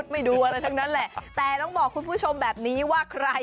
แม้จะเห็นแบบนี้แหละ